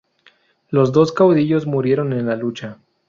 Los dos caudillos murieron en la lucha.